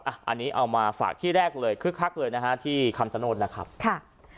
อันนี้เอามาฝากที่แรกเลยคึกคักเลยนะฮะที่คำชโนธนะครับค่ะ